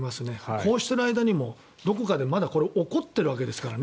こうしている間にもどこかでまだ起こっているわけですからね。